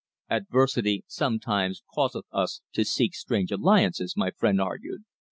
"Adversity sometimes causeth us to seek strange alliances," my friend argued.